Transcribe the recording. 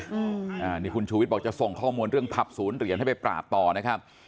อันนี้คุณชูวิทย์บอกจะส่งข้อมูลเรื่องผับศูนย์เหรียญให้ไปปราบต่อนะครับ